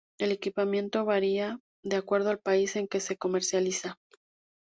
El equipamiento varía de acuerdo al país en que se comercializa.